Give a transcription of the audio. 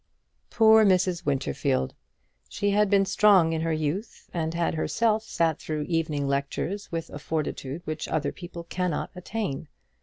Poor Mrs. Winterfield! She had been strong in her youth, and had herself sat through evening lectures with a fortitude which other people cannot attain.